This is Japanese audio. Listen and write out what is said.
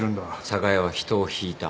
寒河江は人をひいた。